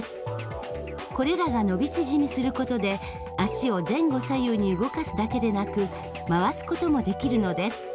これらが伸び縮みすることで足を前後左右に動かすだけでなく回すこともできるのです